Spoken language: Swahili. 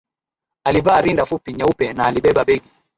Alivaa rinda fupi nyeupe na alibeba begi